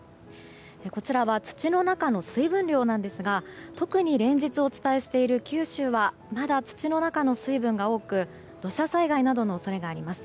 こちらは土の中の水分量なんですが特に連日お伝えしている九州はまだ土の中の水分が多く土砂災害などの恐れがあります。